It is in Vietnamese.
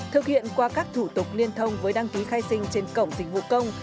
thực hiện qua các thủ tục liên thông với đăng ký khai sinh trên cổng dịch vụ công